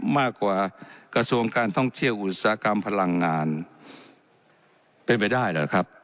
มากกว่ากระทรวงการท่องเที่ยวอุตสาหกรรมพลังงานเป็นไปได้หรือครับ